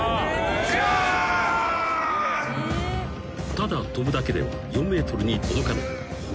［ただ跳ぶだけでは４ｍに届かない］